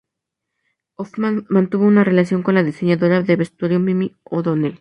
Hoffman mantuvo una relación con la diseñadora de vestuario Mimi O'Donnell.